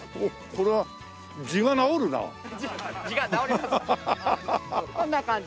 こんな感じ。